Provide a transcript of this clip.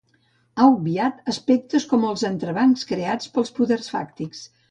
Ha obviat aspectes com els entrebancs creats pels poders fàctics.